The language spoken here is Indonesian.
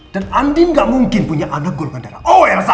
dan andi gak mungkin punya anak golongan darah o ya elsa